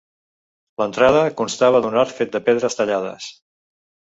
L'entrada constava d'un arc fet de pedres tallades.